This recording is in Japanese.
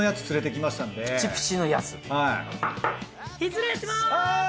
失礼します！